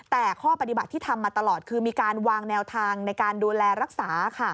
แต่ข้อปฏิบัติที่ทำมาตลอดคือมีการวางแนวทางในการดูแลรักษา